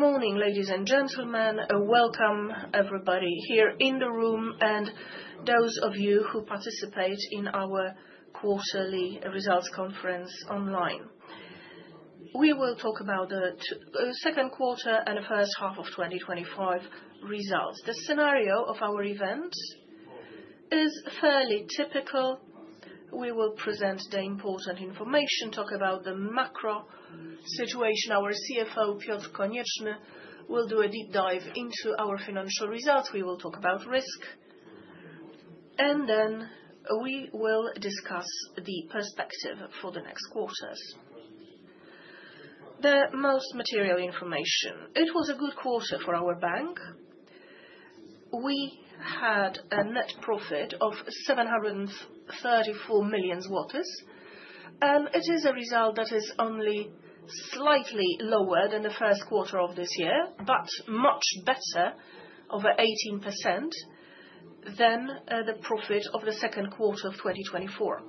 Good morning, ladies and gentlemen. Welcome, everybody, here in the room and those of you who participate in our quarterly results conference online. We will talk about the second quarter and the first half of 2025 results. The scenario of our event is fairly typical. We will present the important information, talk about the macro situation. Our CFO, Piotr Konieczny, will do a deep dive into our financial results. We will talk about risk, and then we will discuss the perspective for the next quarters. The most material information: it was a good quarter for our bank. We had a net profit of 734 million zlotys. It is a result that is only slightly lower than the first quarter of this year, but much better, over 18%, than the profit of the second quarter of 2024.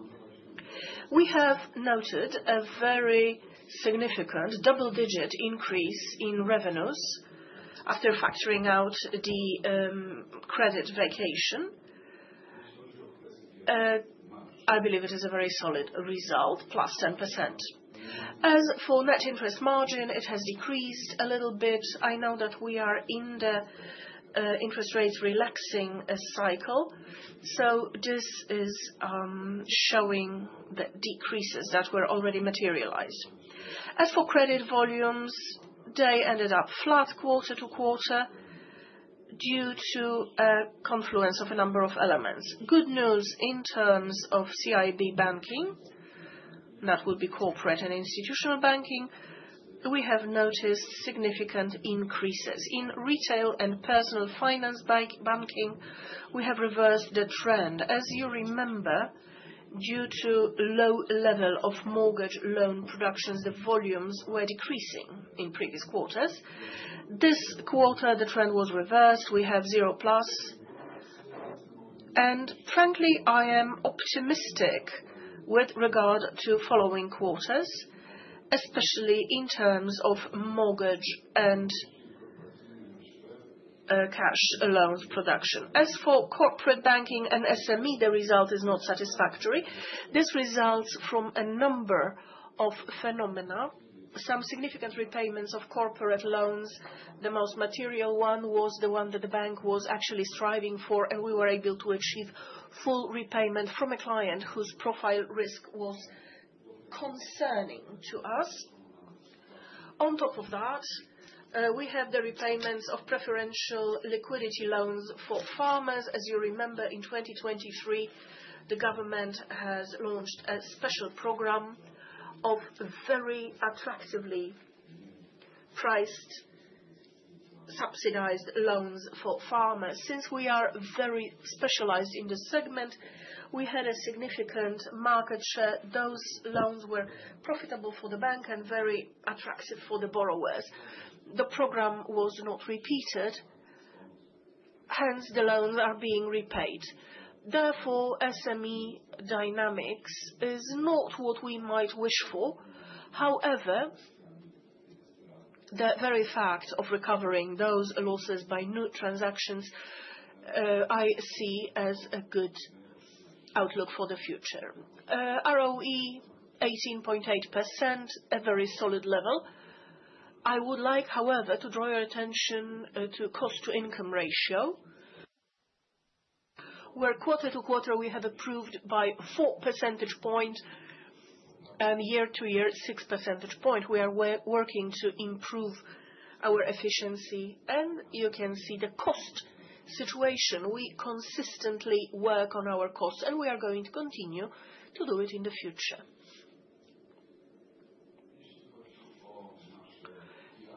We have noted a very significant double-digit increase in revenues after factoring out the credit vacation. I believe it is a very solid result, plus 10%. As for net interest margin, it has decreased a little bit. I know that we are in the interest rate easing cycle, so this is showing the decreases that were already materialized. As for credit volumes, they ended up flat quarter to quarter due to a confluence of a number of elements. Good news in terms of CIB banking, and that would be corporate and institutional banking. We have noticed significant increases in retail and personal finance banking. We have reversed the trend. As you remember, due to a low level of mortgage loan production, the volumes were decreasing in previous quarters. This quarter, the trend was reversed. We have zero plus. Frankly, I am optimistic with regard to the following quarters, especially in terms of mortgage and cash loan production. As for corporate banking and SME, the result is not satisfactory. This results from a number of phenomena. Some significant repayments of corporate loans. The most material one was the one that the bank was actually striving for, and we were able to achieve full repayment from a client whose profile risk was concerning to us. On top of that, we have the repayments of preferential liquidity loans for farmers. As you remember, in 2023, the government has launched a special program of very attractively priced subsidized loans for farmers. Since we are very specialized in this segment, we had a significant market share. Those loans were profitable for the bank and very attractive for the borrowers. The program was not repeated. Hence, the loans are being repaid. Therefore, SME dynamics is not what we might wish for. However, the very fact of recovering those losses by new transactions, I see as a good outlook for the future. ROE, 18.8%, a very solid level. I would like, however, to draw your attention to the cost-to-income ratio where quarter to quarter, we have improved by 4 percentage points, and year to year, 6 percentage points. We are working to improve our efficiency, and you can see the cost situation. We consistently work on our costs, and we are going to continue to do it in the future.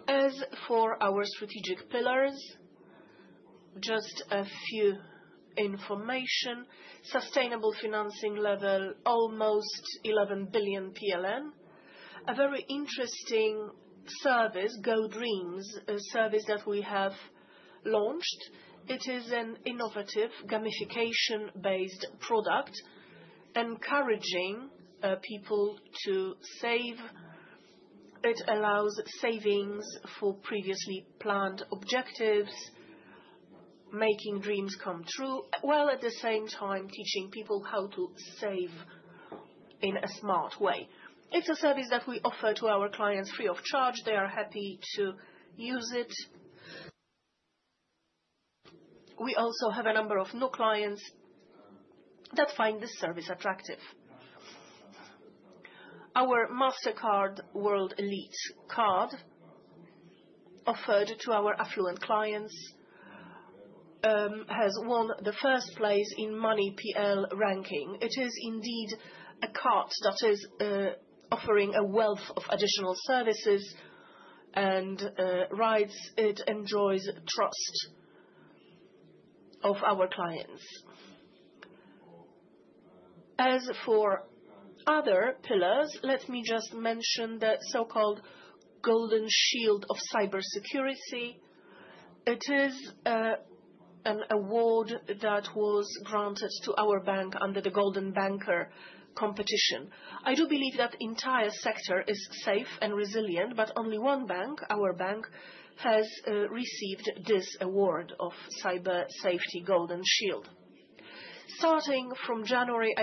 As for our strategic pillars, just a few information. Sustainable financing level, almost 11 billion PLN. A very interesting service, GOdreams, a service that we have launched. It is an innovative gamification-based product, encouraging people to save. It allows savings for previously planned objectives, making dreams come true, while at the same time teaching people how to save in a smart way. It's a service that we offer to our clients free of charge. They are happy to use it. We also have a number of new clients that find this service attractive. Our Mastercard World Elite card, offered to our affluent clients, has won the first place in Money.pl ranking. It is indeed a card that is offering a wealth of additional services and rides. It enjoys trust of our clients. As for other pillars, let me just mention the so-called Golden Shield of Cyber Security. It is an award that was granted to our bank under the Golden Banker competition. I do believe that the entire sector is safe and resilient, but only one bank, our bank, has received this award of cyber safety Golden Shield. Starting from January,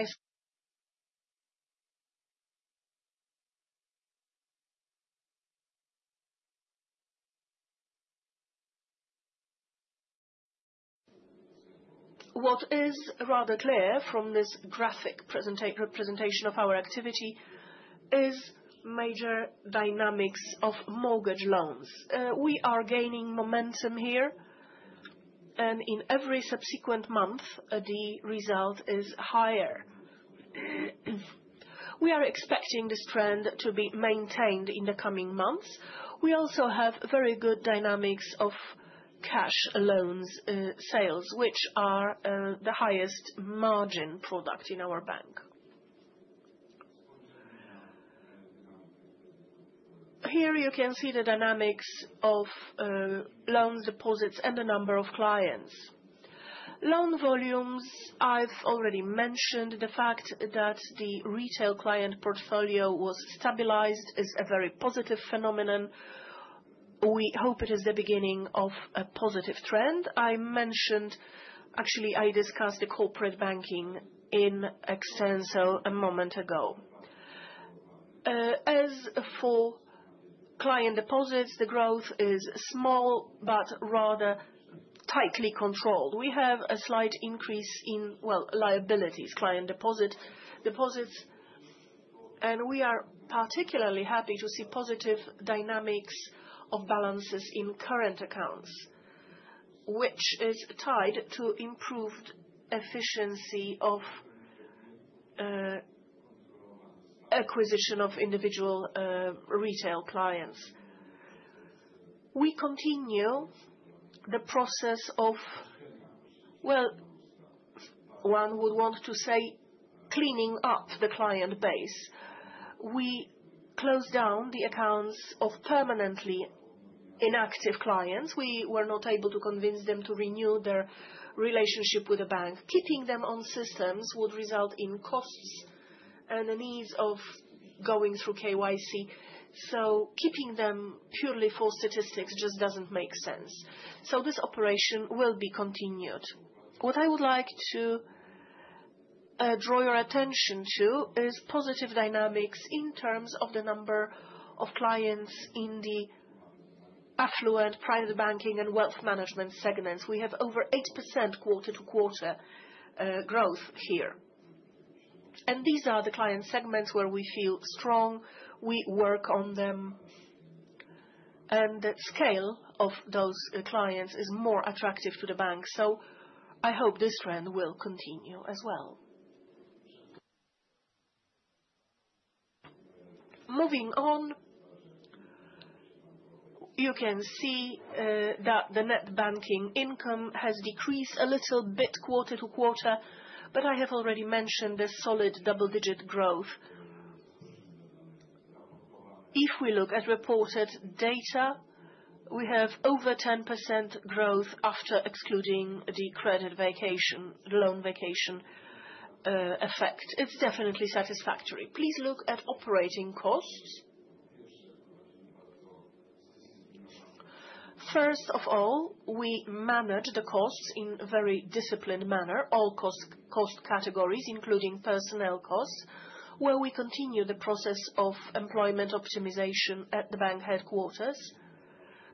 what is rather clear from this graphic presentation of our activity is major dynamics of mortgage loans. We are gaining momentum here, and in every subsequent month, the result is higher. We are expecting this trend to be maintained in the coming months. We also have very good dynamics of cash loans sales, which are the highest margin product in our bank. Here you can see the dynamics of loan deposits and the number of clients. Loan volumes, I've already mentioned the fact that the retail client portfolio was stabilized is a very positive phenomenon. We hope it is the beginning of a positive trend. I mentioned, actually, I discussed the corporate banking in extenso a moment ago. As for client deposits, the growth is small but rather tightly controlled. We have a slight increase in liabilities, client deposits, and we are particularly happy to see positive dynamics of balances in current accounts, which is tied to improved efficiency of acquisition of individual retail clients. We continue the process of, one would want to say, cleaning up the client base. We closed down the accounts of permanently inactive clients. We were not able to convince them to renew their relationship with the bank. Keeping them on systems would result in costs and the need of going through KYC. Keeping them purely for statistics just doesn't make sense. This operation will be continued. What I would like to draw your attention to is positive dynamics in terms of the number of clients in the affluent private banking and wealth management segments. We have over 8% quarter-to-quarter growth here. These are the client segments where we feel strong. We work on them, and the scale of those clients is more attractive to the bank. I hope this trend will continue as well. Moving on, you can see that the net banking income has decreased a little bit quarter to quarter, but I have already mentioned the solid double-digit growth. If we look at reported data, we have over 10% growth after excluding the credit vacation, the loan vacation effect. It's definitely satisfactory. Please, look at operating costs. First of all, we managed the costs in a very disciplined manner, all cost categories, including personnel costs, where we continue the process of employment optimization at the bank headquarters.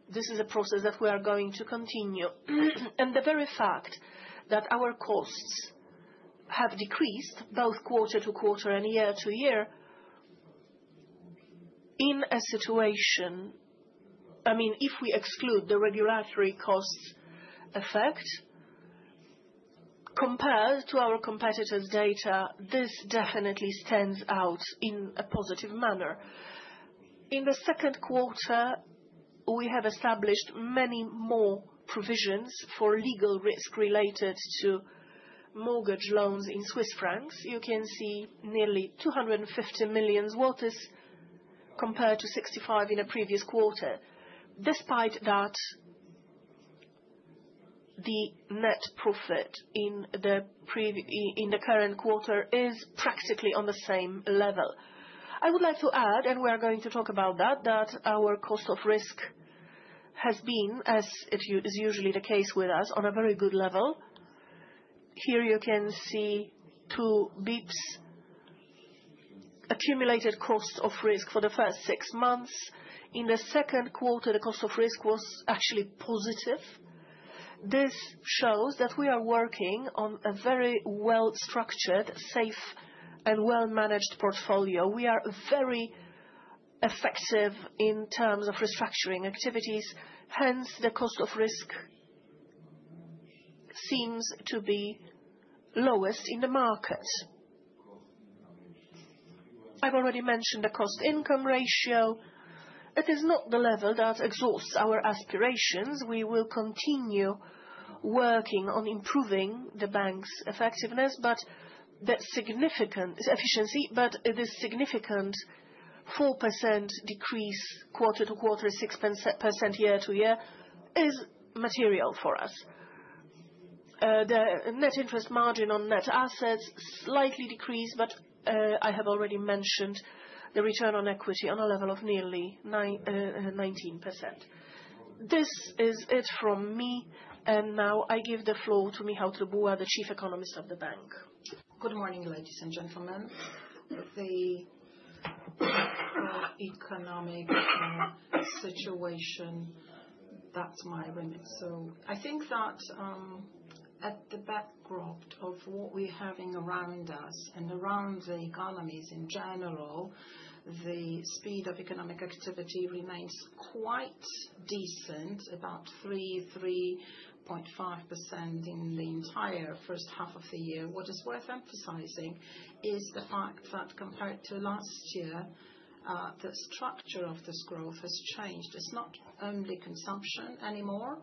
This is a process that we are going to continue. The very fact that our costs have decreased both quarter to quarter and year to year in a situation, I mean, if we exclude the regulatory cost effect, compared to our competitors' data, this definitely stands out in a positive manner. In the second quarter, we have established many more provisions for legal risk related to mortgage loans in Swiss francs. You can see nearly 250 million compared to 65 million in a previous quarter. Despite that, the net profit in the current quarter is practically on the same level. I would like to add, and we are going to talk about that, that our cost of risk has been, as is usually the case with us, on a very good level. Here, you can see two bits: accumulated cost of risk for the first six months. In the second quarter, the cost of risk was actually positive. This shows that we are working on a very well-structured, safe, and well-managed portfolio. We are very effective in terms of restructuring activities. Hence, the cost of risk seems to be lowest in the markets. I've already mentioned the cost-to-income ratio. It is not the level that exhausts our aspirations. We will continue working on improving the bank's effectiveness. The significant efficiency, the significant 4% decrease quarter to quarter, 6% year to year, is material for us. The net interest margin on net assets is slightly decreased, but I have already mentioned the return on equity on a level of nearly 19%. This is it from me. Now, I give the floor to Michał Dybuła, the Chief Economist of the bank. Good morning, ladies and gentlemen. The economic situation, that's my witness. I think that at the backdrop of what we're having around us and around the economies in general, the speed of economic activity remains quite decent, about 3%-3.5% in the entire first half of the year. What is worth emphasizing is the fact that compared to last year, the structure of this growth has changed. It's not only consumption anymore.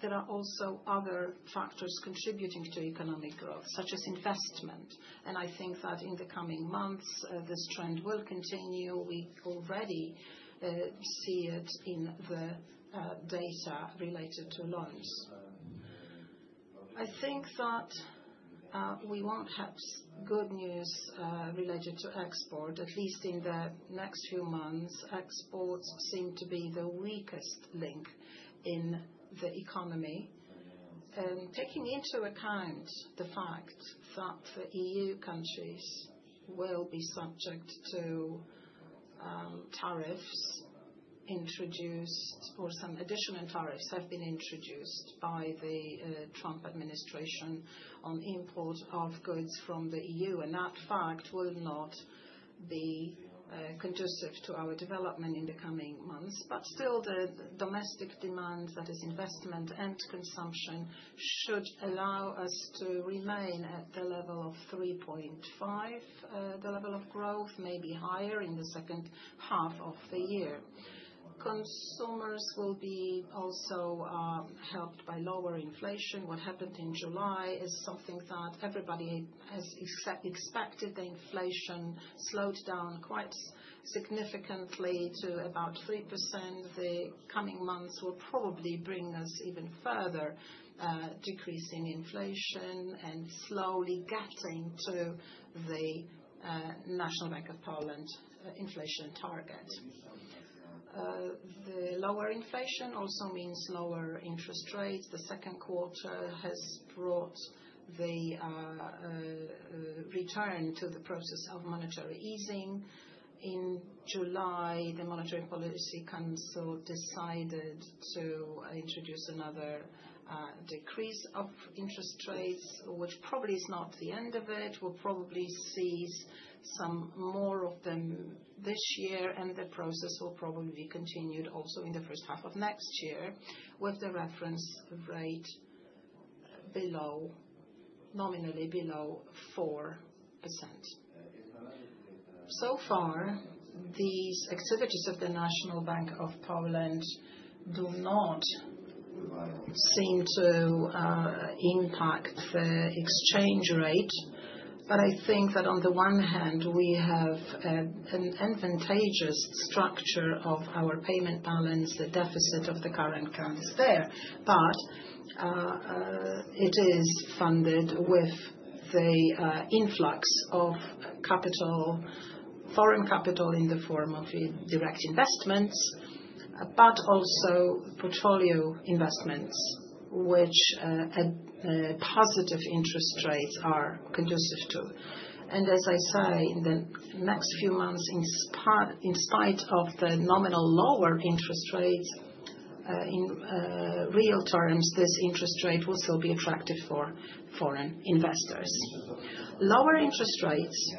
There are also other factors contributing to economic growth, such as investment. I think that in the coming months, this trend will continue. We already see it in the data related to loans. I think that we won't have good news related to export. At least in the next few months, exports seem to be the weakest link in the economy. Taking into account the fact that the EU countries will be subject to tariffs introduced, or some additional tariffs have been introduced by the Trump administration on imports of goods from the EU, that fact will not be conducive to our development in the coming months. Still, the domestic demand, that is investment and consumption, should allow us to remain at the level of 3.5%. The level of growth may be higher in the second half of the year. Consumers will be also helped by lower inflation. What happened in July is something that everybody has expected. The inflation slowed down quite significantly to about 3%. The coming months will probably bring us even further decreasing inflation and slowly getting to the National Bank of Poland's inflation target. The lower inflation also means lower interest rates. The second quarter has brought the return to the process of monetary easing. In July, the Monetary Policy Council decided to introduce another decrease of interest rates, which probably is not the end of it. We'll probably see some more of them this year, and the process will probably be continued also in the first half of next year with the reference rate nominally below 4%. So far, these activities of the National Bank of Poland do not seem to impact the exchange rate. I think that on the one hand, we have an advantageous structure of our payment balance, the deficit of the current currency there. It is funded with the influx of capital, foreign capital in the form of direct investments, but also portfolio investments, which positive interest rates are conducive to. As I say, in the next few months, in spite of the nominal lower interest rates, in real terms, this interest rate will still be attractive for foreign investors. Lower interest rates,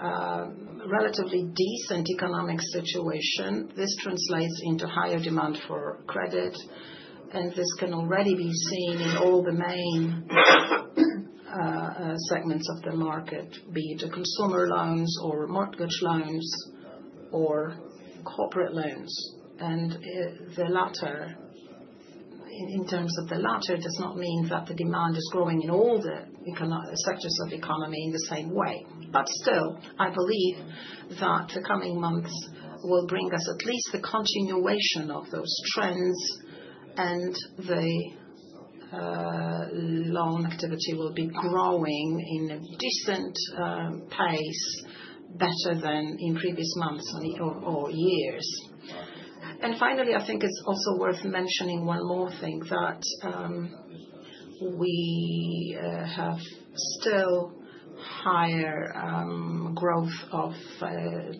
a relatively decent economic situation. This translates into higher demand for credit. This can already be seen in all the main segments of the market, be it consumer loans, mortgage loans, or corporate loans. In terms of the latter, it does not mean that the demand is growing in all the sectors of the economy in the same way. Still, I believe that the coming months will bring us at least the continuation of those trends, and the loan activity will be growing at a decent pace, better than in previous months or years. Finally, I think it's also worth mentioning one more thing, that we have still higher growth of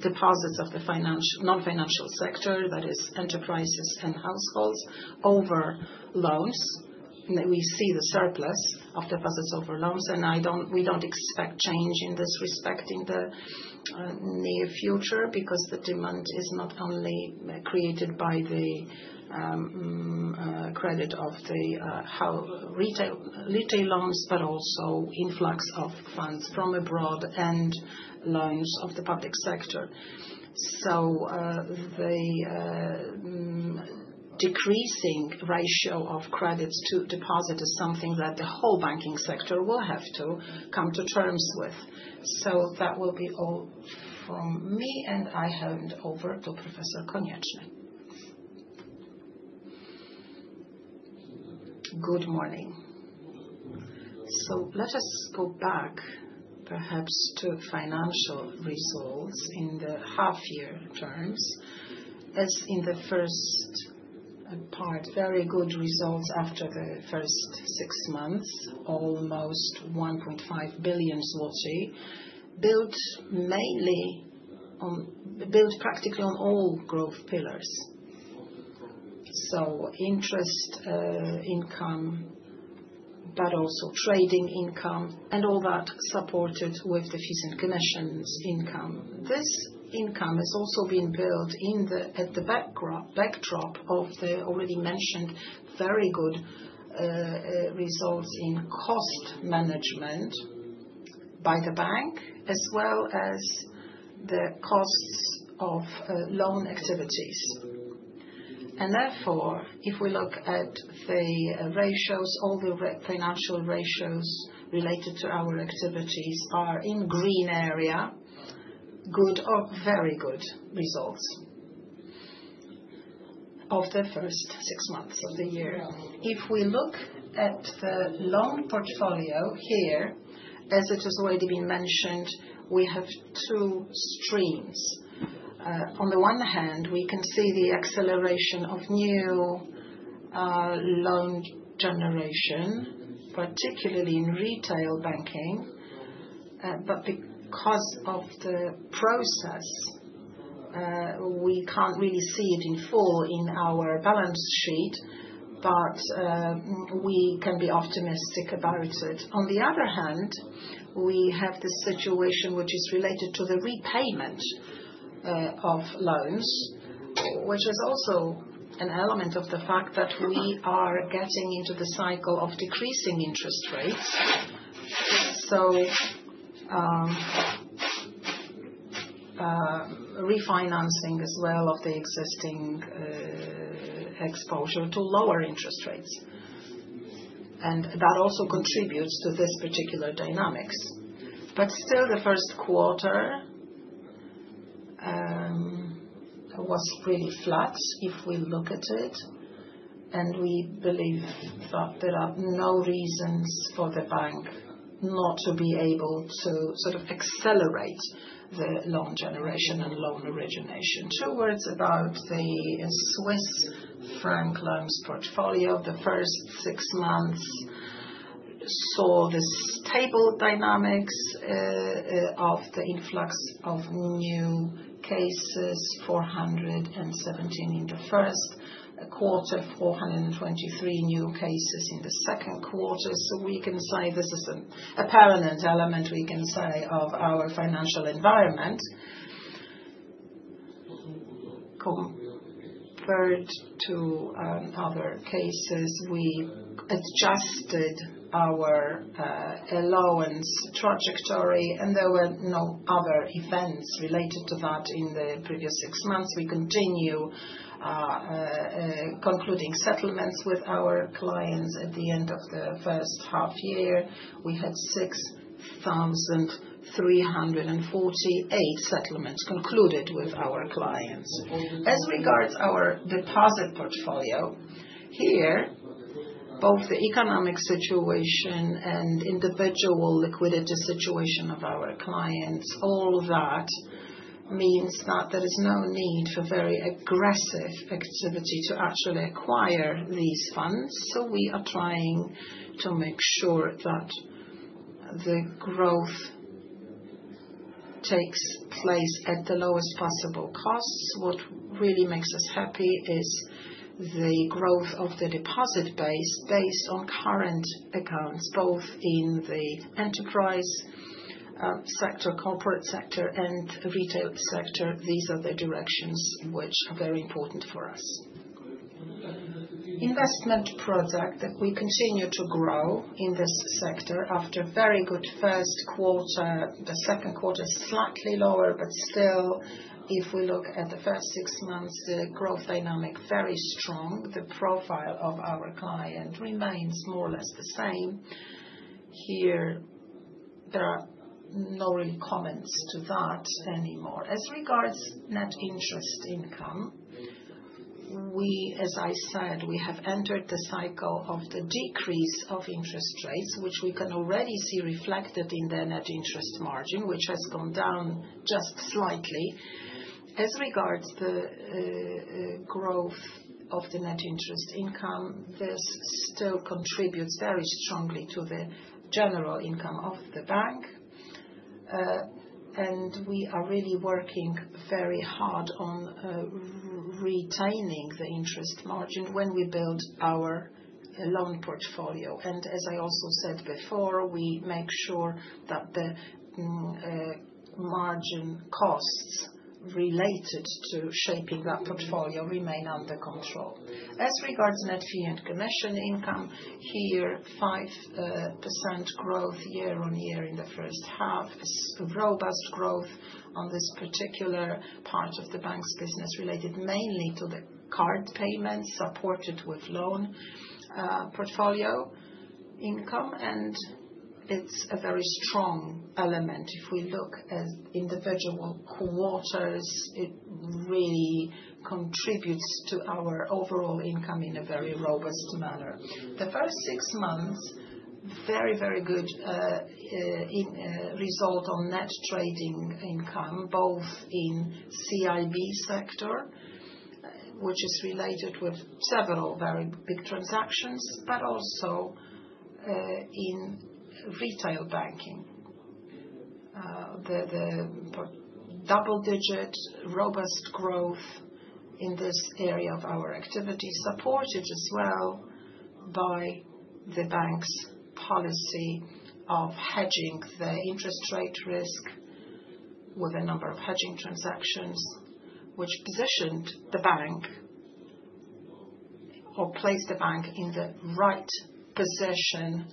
deposits of the non-financial sector, that is enterprises and households, over loans. We see the surplus of deposits over loans. We don't expect change in this respect in the near future because the demand is not only created by the credit of the retail loans, but also influx of funds from abroad and loans of the public sector. The decreasing ratio of credits to deposit is something that the whole banking sector will have to come to terms with. That will be all from me and I shall hand over to Professor Konieczny. Good morning. Let us go back, perhaps, to financial results in the half-year terms. As in the first part, very good results after the first six months, almost PLN 1.5 billion, built practically on all growth pillars. Interest income, but also trading income, and all that supported with the fixed commissions income. This income has also been built in the backdrop of the already mentioned very good results in cost management by the bank, as well as the costs of loan activities. Therefore, if we look at the ratios, all the financial ratios related to our activities are in the green area, good or very good results of the first six months of the year. If we look at the loan portfolio here, as it has already been mentioned, we have two streams. On the one hand, we can see the acceleration of new loan generation, particularly in retail banking. But because of the process, we can't really see it in full in our balance sheet, but we can be optimistic about it. On the other hand, we have the situation which is related to the repayment of loans, which is also an element of the fact that we are getting into the cycle of decreasing interest rates. Refinancing as well of the existing exposure to lower interest rates also contributes to this particular dynamics. Still, the first quarter was really flat if we look at it. We believe that there are no reasons for the bank not to be able to sort of accelerate the loan generation and loan origination. Two words about the Swiss franc loans portfolio. The first six months saw this stable dynamics of the influx of new cases, 417 in the first quarter, 423 new cases in the second quarter. We can say this is an apparent element, we can say, of our financial environment. Compared to other cases, we adjusted our allowance trajectory, and there were no other events related to that in the previous six months. We continue concluding settlements with our clients. At the end of the first half year, we had 6,348 settlements concluded with our clients. As regards our deposit portfolio, both the economic situation and individual liquidity situation of our clients mean that there is no need for very aggressive activity to actually acquire these funds. We are trying to make sure that the growth takes place at the lowest possible costs. What really makes us happy is the growth of the deposit base based on current accounts, both in the enterprise sector, corporate sector, and retail sector. These are the directions which are very important for us. Investment project that we continue to grow in this sector after a very good first quarter. The second quarter is slightly lower, but still, if we look at the first six months, the growth dynamic is very strong. The profile of our client remains more or less the same. There are no real comments to that anymore. As regards net interest income, as I said, we have entered the cycle of the decrease of interest rates, which we can already see reflected in the net interest margin, which has gone down just slightly. As regards the growth of the net interest income, this still contributes very strongly to the general income of the bank. We are really working very hard on retaining the interest margin when we build our loan portfolio. As I also said before, we make sure that the margin costs related to shaping that portfolio remain under control. As regards to net fee and commission income, here, 5% growth year on year in the first half. Robust growth on this particular part of the bank's business related mainly to the card payments supported with loan portfolio income. It's a very strong element. If we look at individual quarters, it really contributes to our overall income in a very robust manner. The first six months, very, very good result on net trading income, both in CIB sector, which is related with several very big transactions, but also in retail banking. The double-digit robust growth in this area of our activities supported as well by the bank's policy of hedging the interest rate risk with a number of hedging transactions, which positioned the bank or placed the bank in the right position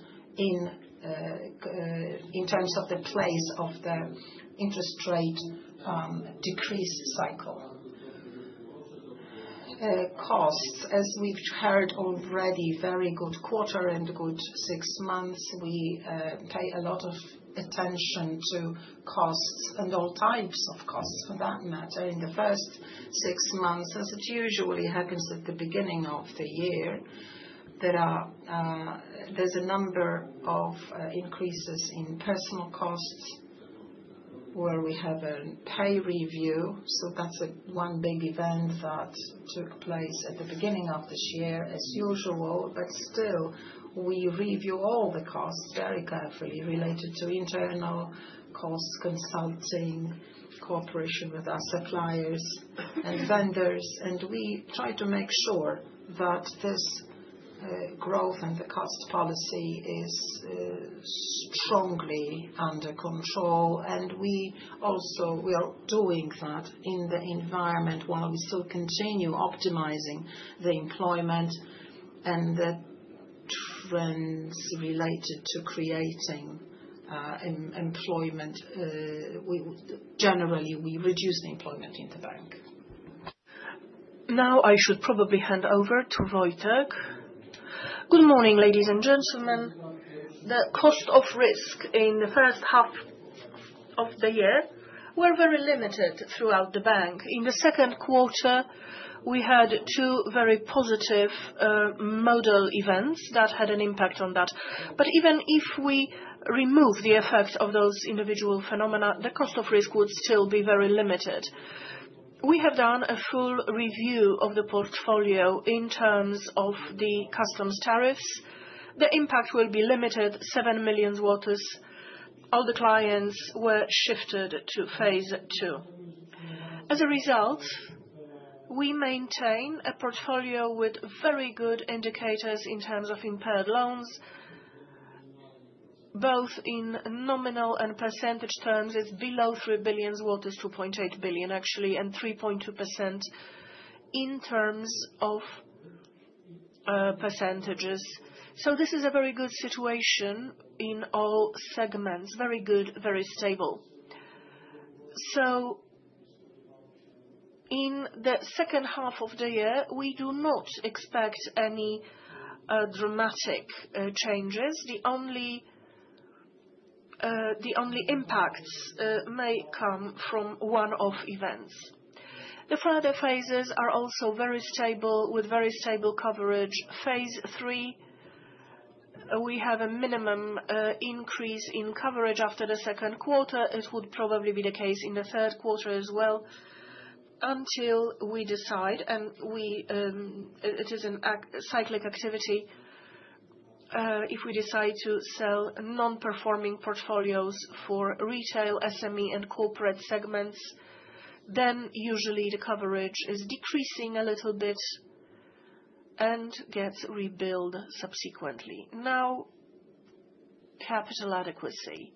in terms of the place of the interest rate decrease cycle. Costs, as we've heard already, very good quarter and good six months. We pay a lot of attention to costs and all types of costs for that matter in the first six months. As it usually happens at the beginning of the year, there's a number of increases in personal costs where we have a pay review. That's one big event that took place at the beginning of this year, as usual. Still, we review all the costs very carefully related to internal cost consulting, cooperation with our suppliers and vendors. We try to make sure that this growth and the cost policy is strongly under control. Also, we are doing that in the environment while we still continue optimizing the employment and the runs related to creating employment. Generally, we reduce the employment in the bank. Now, I should probably hand over to Wojciech. Good morning, ladies and gentlemen. The cost of risk in the first half of the year was very limited throughout the bank. In the second quarter, we had two very positive modal events that had an impact on that. Even if we remove the effects of those individual phenomena, the cost of risk would still be very limited. We have done a full review of the portfolio in terms of the customs tariffs. The impact will be limited, 7 million. All the clients were shifted to phase two. As a result, we maintain a portfolio with very good indicators in terms of impaired loans, both in nominal and percentage terms. It's below 3 billion, 2.8 billion, actually, and 3.2% in terms of percentages. This is a very good situation in all segments, very good, very stable. In the second half of the year, we do not expect any dramatic changes. The only impacts may come from one-off events. The further phases are also very stable, with very stable coverage. Phase three, we have a minimum increase in coverage after the second quarter. This would probably be the case in the third quarter as well until we decide. It is a cyclic activity. If we decide to sell non-performing portfolios for retail, SME, and corporate segments, then usually the coverage is decreasing a little bit and gets rebuilt subsequently. Now, capital adequacy.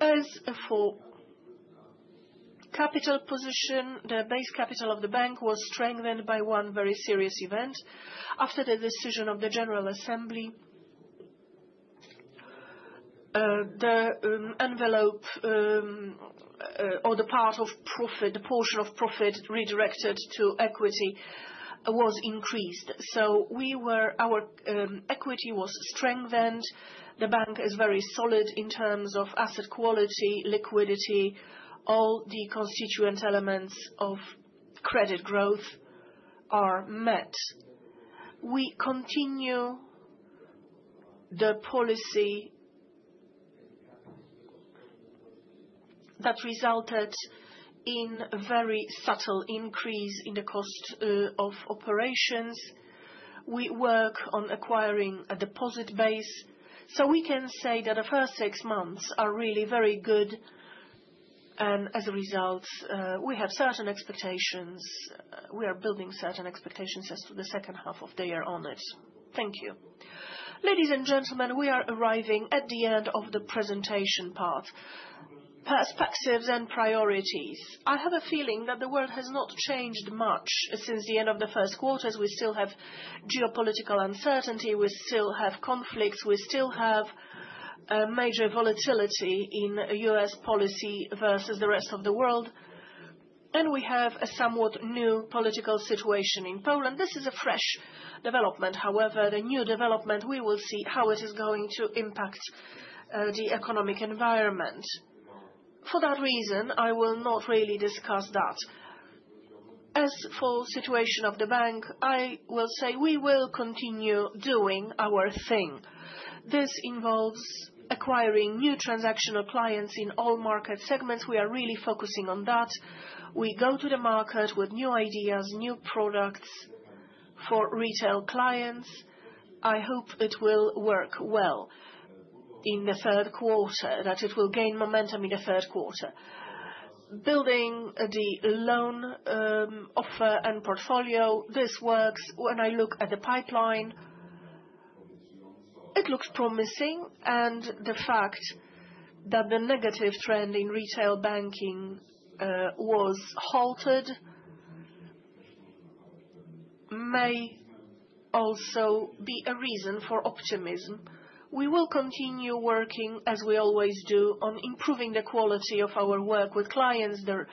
As for capital position, the base capital of the bank was strengthened by one very serious event. After the decision of the General Assembly, the envelope or the part of profit, the portion of profit redirected to equity was increased. Our equity was strengthened. The bank is very solid in terms of asset quality and liquidity. All the constituent elements of credit growth are met. We continue the policy that resulted in a very subtle increase in the cost of operations. We work on acquiring a deposit base. We can say that the first six months are really very good. As a result, we have certain expectations. We are building certain expectations as to the second half of the year on this. Thank you. Ladies and gentlemen, we are arriving at the end of the presentation part. Perspectives and priorities. I have a feeling that the world has not changed much since the end of the first quarter. We still have geopolitical uncertainty. We still have conflicts. We still have major volatility in U.S. policy versus the rest of the world. We have a somewhat new political situation in Poland. This is a fresh development, however. The new development, we will see how this is going to impact the economic environment. For that reason, I will not really discuss that. As for the situation of the bank, I will say we will continue doing our thing. This involves acquiring new transactional clients in all market segments. We are really focusing on that. We go to the market with new ideas, new products for retail clients. I hope it will work well in the third quarter, that it will gain momentum in the third quarter. Building the loan offer and portfolio, this works. When I look at the pipeline, it looks promising. The fact that the negative trend in retail banking was halted may also be a reason for optimism. We will continue working, as we always do, on improving the quality of our work with clients, their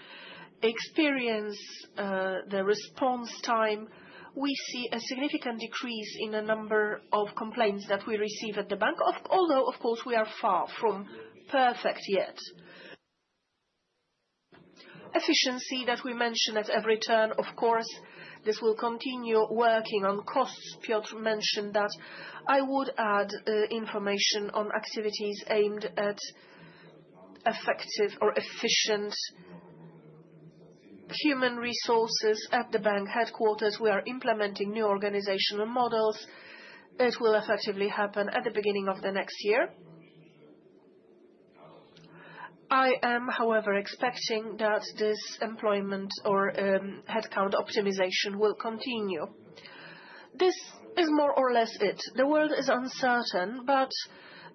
experience, their response time. We see a significant decrease in the number of complaints that we receive at the bank, although, of course, we are far from perfect yet. Efficiency that we mentioned at every turn, of course, this will continue working on costs. Piotr mentioned that. I would add information on activities aimed at effective or efficient human resources at the bank headquarters. We are implementing new organizational models. It will effectively happen at the beginning of the next year. I am, however, expecting that this employment or headcount optimization will continue. This is more or less it. The world is uncertain, but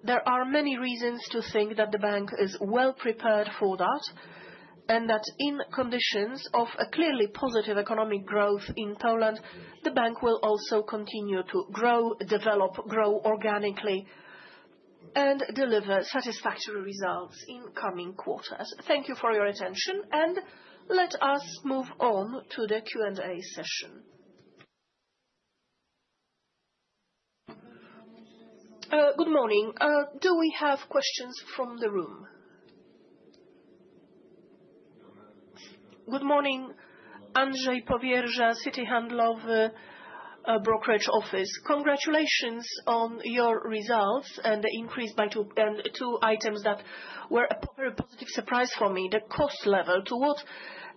there are many reasons to think that the bank is well prepared for that and that in conditions of a clearly positive economic growth in Poland, the bank will also continue to grow, develop, grow organically, and deliver satisfactory results in coming quarters. Thank you for your attention, and let us move on to the Q&A session. Good morning. Do we have questions from the room? Good morning. Andrzej Powierża, Citi Handlowy Brokerage Office. Congratulations on your results and the increase. And two items that were a very positive surprise for me. The cost level. To what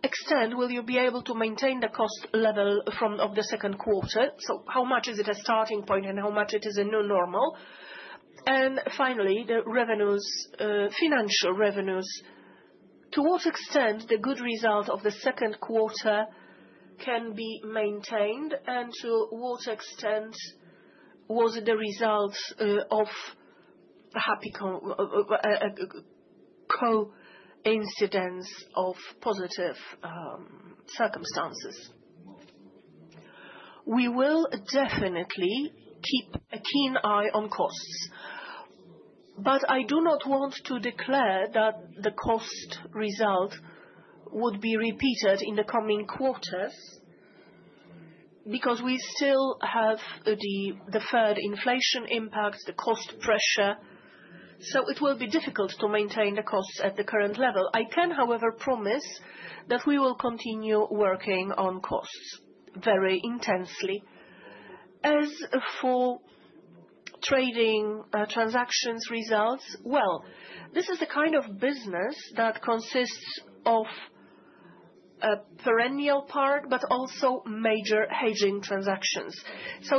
extent will you be able to maintain the cost level from the second quarter? So how much is it a starting point and how much it is a new normal? And finally, the financial revenues. To what extent the good result of the second quarter can be maintained? And to what extent was the result of a happy coincidence of positive circumstances? We will definitely keep a keen eye on costs. I do not want to declare that the cost result would be repeated in the coming quarters because we still have the deferred inflation impacts, the cost pressure. It will be difficult to maintain the costs at the current level. I can, however, promise that we will continue working on costs very intensely. As for trading transactions results, this is a kind of business that consists of a perennial part, but also major hedging transactions.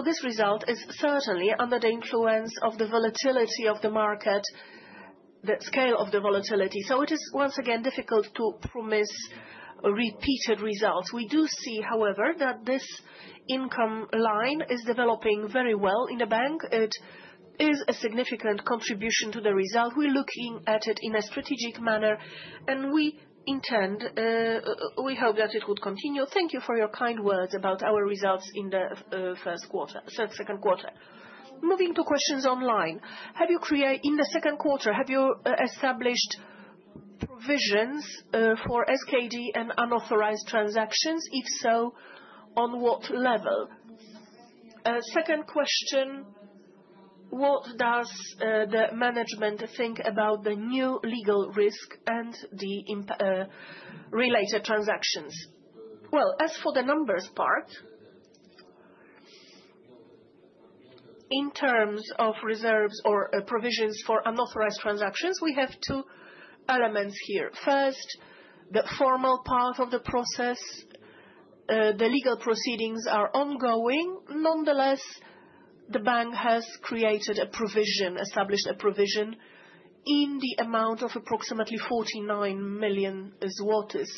This result is certainly under the influence of the volatility of the market, the scale of the volatility. It is, once again, difficult to promise repeated results. We do see, however, that this income line is developing very well in the bank. It is a significant contribution to the result. We're looking at it in a strategic manner, and we hope that it would continue. Thank you for your kind words about our results in the first quarter, second quarter. Moving to questions online. Have you created in the second quarter, have you established provisions for SKD and unauthorized transactions? If so, on what level? Second question, what does the management think about the new legal risk and the related transactions? As for the numbers part, in terms of reserves or provisions for unauthorized transactions, we have two elements here. First, the formal part of the process, the legal proceedings are ongoing. Nonetheless, the bank has created a provision, established a provision in the amount of approximately 49 million zlotys.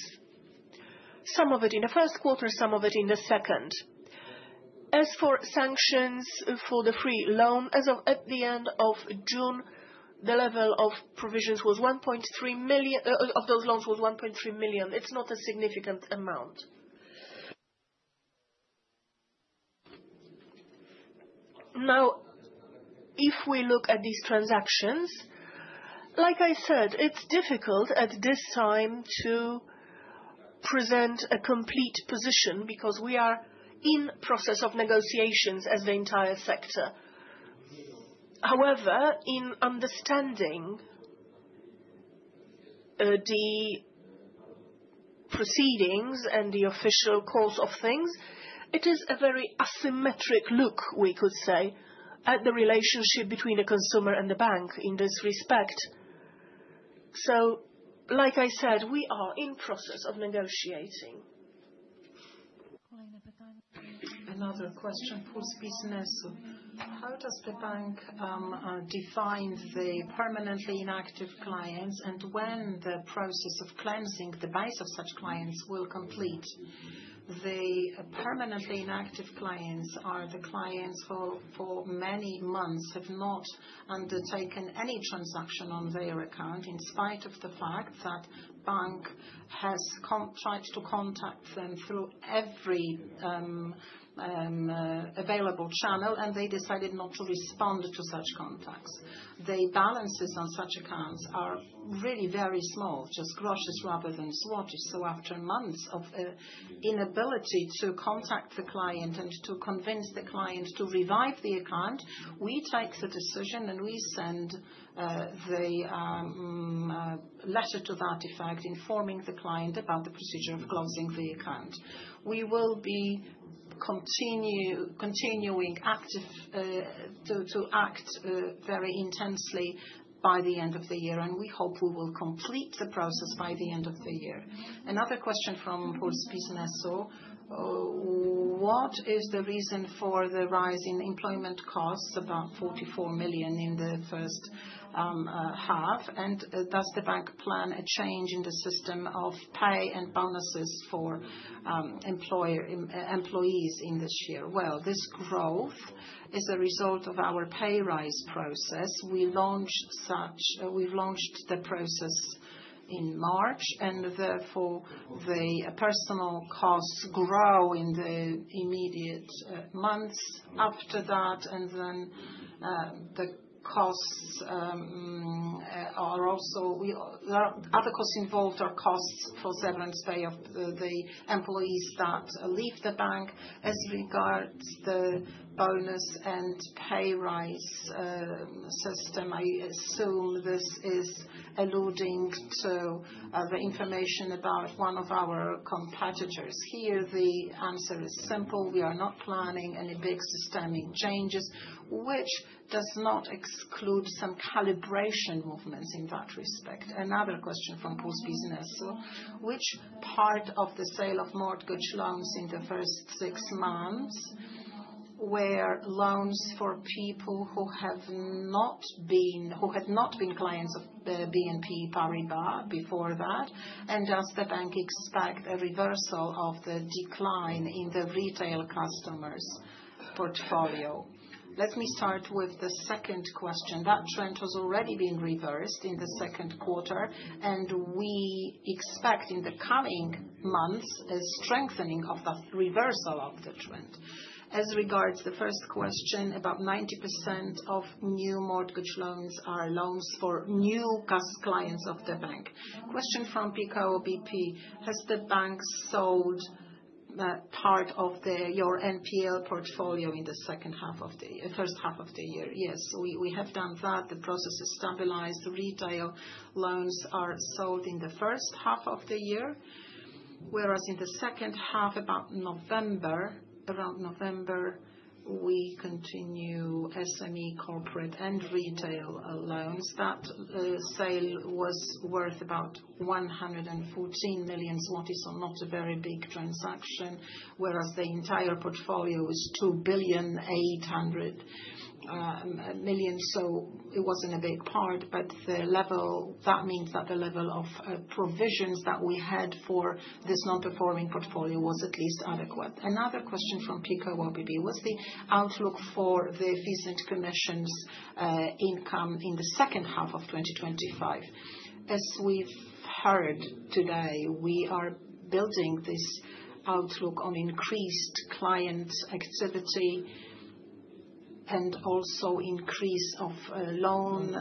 Some of it in the first quarter, some of it in the second. As for sanctions for the free loan, as of at the end of June, the level of provisions was 1.3 million. It's not a significant amount. If we look at these transactions, like I said, it's difficult at this time to present a complete position because we are in the process of negotiations as the entire sector. However, in understanding the proceedings and the official course of things, it is a very symmetric look, we could say, at the relationship between a consumer and the bank in this respect. Like I said, we are in the process of negotiating. Another question, [Puls Biznesu]. How does the bank define the permanently inactive clients and when the process of cleansing the base of such clients will complete? The permanently inactive clients are the clients who for many months have not undertaken any transaction on their account in spite of the fact that the bank has tried to contact them through every available channel, and they decided not to respond to such contacts. The balances on such accounts are really very small, just grosze rather than złotych. After months of inability to contact the client and to convince the client to revive the account, we take the decision and we send a letter to that effect, informing the client about the procedure of closing the account. We will be continuing to act very intensely by the end of the year, and we hope we will complete the process by the end of the year. Another question from [Puls Biznesu]. What is the reason for the rise in employment costs, about 44 million in the first half? And does the bank plan a change in the system of pay and bonuses for employees in this year? This growth is a result of our pay rise process. We launched the process in March, and therefore, the personnel costs grow in the immediate months after that. The costs are also the other costs involved, which are costs for the balance pay of the employees that leave the bank. As regards the bonus and pay rights system, I assume this is alluding to the information about one of our competitors. The answer is simple. We are not planning any big systemic changes, which does not exclude some calibration movements in that respect. Another question from [Puls Biznesu]. Which part of the sale of mortgage loans in the first six months were loans for people who had not been clients of BNP Paribas before that? Does the bank expect a reversal of the decline in the retail customers' portfolio? Let me start with the second question. That trend has already been reversed in the second quarter, and we expect in the coming months a strengthening of the reversal of the trend. As regards the first question, about 90% of new mortgage loans are loans for new clients of the bank. Question from PKO BP. Has the bank sold that part of your NPL portfolio in the second half of the year? First half of the year. Yes, we have done that. The process is stabilized. The retail loans are sold in the first half of the year, whereas in the second half, around November, we continue SME, corporate, and retail loans. That sale was worth about 114 million zloty, so not a very big transaction, whereas the entire portfolio is 2.8 billion. It was not a big part, but that means that the level of provisions that we had for this non-performing portfolio was at least adequate. Another question from PKO BP. What's the outlook for the efficient commissions income in the second half of 2025? As we've heard today, we are building this outlook on increased client activity and also increase of loan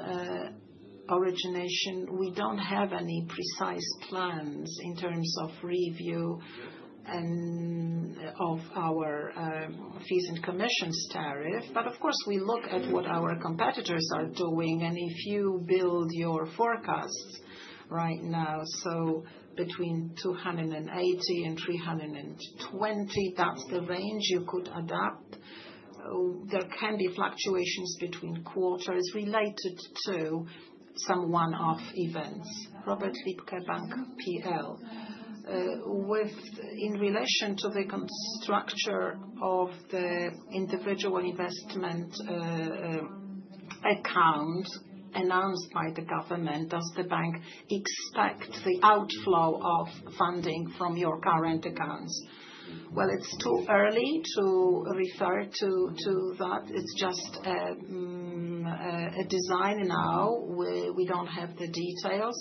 origination. We don't have any precise plans in terms of review of our fees and commissions tariffs. Of course, we look at what our competitors are doing. If you build your forecasts right now, so between 280 and 320, that's the range you could adapt. There can be fluctuations between quarters related to some one-off events. Robert Dybka, [Bank PL]. In relation to the construction of the individual investment accounts announced by the government, does the bank expect the outflow of funding from your current accounts? It's too early to refer to that. It's just a design now. We don't have the details.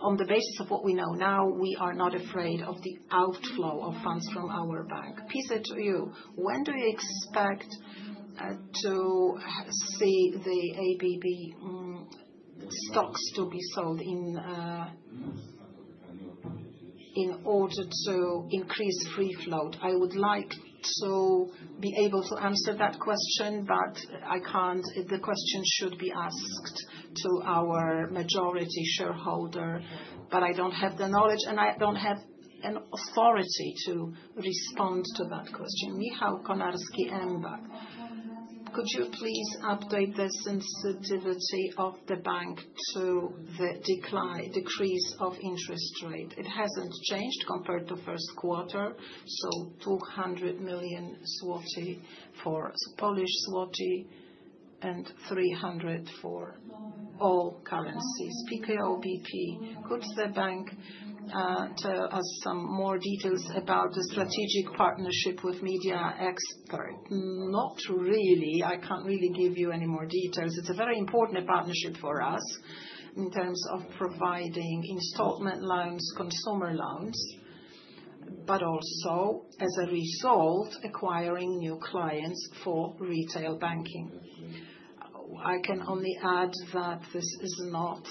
On the basis of what we know now, we are not afraid of the outflow of funds from our bank. when do you expect to see the ABB stocks to be sold in order to increase the free float? I would like to be able to answer that question, but I can't. The question should be asked to our majority shareholder, but I don't have the knowledge, and I don't have authority to respond to that question. Michał Konarski, mBank. Could you please update the sensitivity of the bank to the decrease of interest rate? It hasn't changed compared to the first quarter. So 200 million for Polish złoty and 300 million for all currencies. [PKO BP], could the bank tell us some more details about the strategic partnership with Media Expert? Not really. I can't really give you any more details. It's a very important partnership for us in terms of providing installment loans, consumer loans, but also, as a result, acquiring new clients for retail banking. I can only add that this is not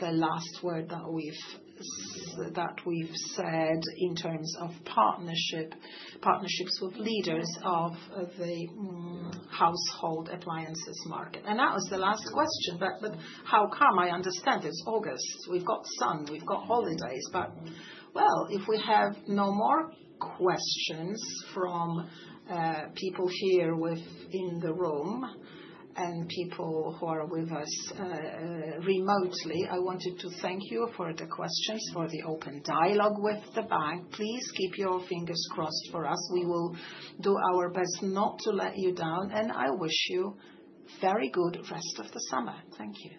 the last word that we've said in terms of partnerships with leaders of the household appliances market. That was the last question. How come? I understand it's August. We've got sun. We've got holidays. If we have no more questions from people here within the room and people who are with us remotely, I wanted to thank you for the questions, for the open dialogue with the bank. Please keep your fingers crossed for us. We will do our best not to let you down. I wish you a very good rest of the summer. Thank you.